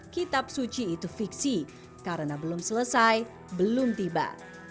kitab suci itu fiksi karena belum selesai belum tiba